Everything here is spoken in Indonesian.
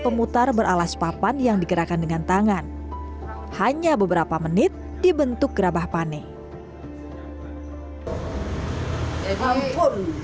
pemutar beralas papan yang digerakkan dengan tangan hanya beberapa menit dibentuk kerabah panik